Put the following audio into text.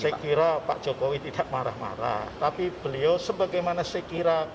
saya kira pak jokowi tidak marah marah tapi beliau sebagaimana saya kira